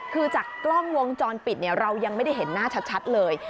คือจากกล้องวงจรปิดเรายังไม่ได้เห็นหน้าชัดเลย